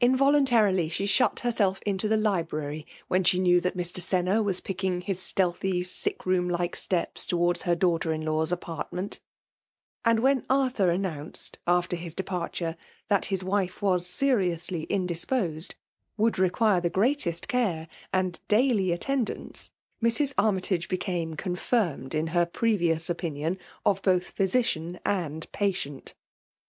Involuntarily she shut herself into the library when she knew that Mr. Senna was picking his stealthy sick room like steps towards her €iaughter in law's apartment ; and when Arthur aimounced, after his departure, that his wife was seriously indisposed, would require the greatest care, and daily attendance, Mrs. At aiytage became confirmed in her previous o^nkm of both physician and patient.